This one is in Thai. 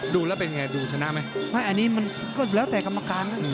ดูแล้วเป็นไงดูชนะไหมไม่อันนี้มันก็แล้วแต่กรรมการนะ